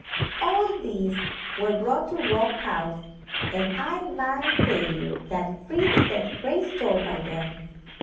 All these were brought to Rock, House, and I may tell you that Fritz set great store by them.